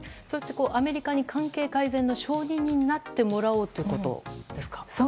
アメリカに関係改善の証人になってもらおうということですか。